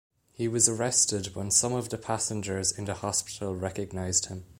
He was arrested when some of the passengers in the hospital recognized him.